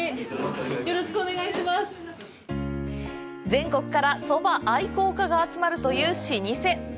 全国からそば愛好家が集まるという老舗。